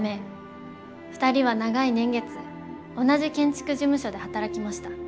二人は長い年月同じ建築事務所で働きました。